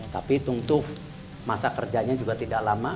tapi tunggu masa kerjanya juga tidak lama